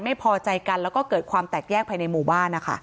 ไม่พอใจกันแล้วก็เกิดความแตกแยกภายในหมู่บ้านนะคะ